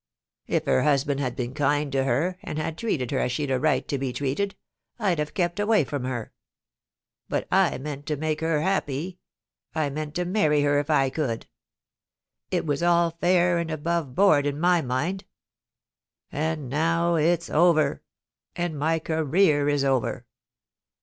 If her husband had been kind to her, and had treated her as she'd a right to be treated, I'd have kept away from her. But I meant to make her happy ; I meant to marry her if I could. It was all fair and above board in my mind. And now it's over, and my career is over.